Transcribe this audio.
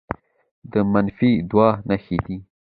د منفي دود نښې دي